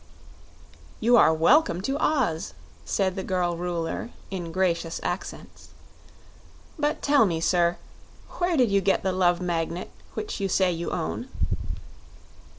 "You are welcome to Oz," said the girl Ruler, in gracious accents. "But tell me, sir, where did you get the Love Magnet which you say you own?"